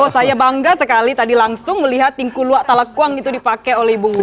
saya bangga sekali tadi langsung melihat tingkuluak talakwang itu dipakai oleh ibu wuri